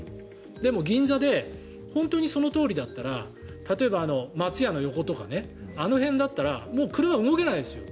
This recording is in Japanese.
でも銀座で本当にそのとおりだったら例えば松屋の横とかあの辺だったら車は動けないですよ。